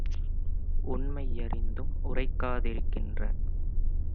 உண்மை யறிந்தும் உரைக்கா திருக்கின்ற